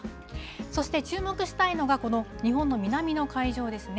そして注目したいのが、この日本の南の海上ですね。